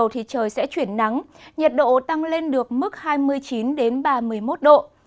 trời sẽ chuyển nắng nhiệt độ tăng lên được mức hai mươi chín ba mươi một độ